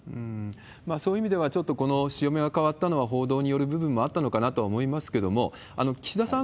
そういう意味では、ちょっとこの潮目が変わったのは、報道による部分もあったのかなと思いますけれども、岸田さん